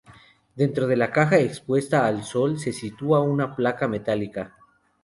Dentro de la caja, expuesta al sol, se sitúa una placa metálica.